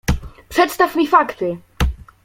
"Przedstaw mi fakty!"